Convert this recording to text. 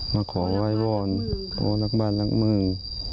มาขอไว้ว่อนมาขอไว้ว่อนเพื่อรักบ้านรักเมือง